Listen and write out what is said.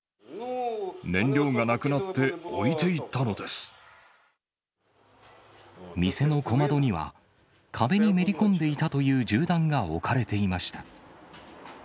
燃料がなくなって、置いていった店の小窓には、壁にめり込んでいたという銃弾が置かれていました。